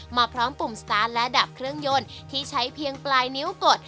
พร้อมปุ่มสตาร์ทและดับเครื่องยนต์ที่ใช้เพียงปลายนิ้วกด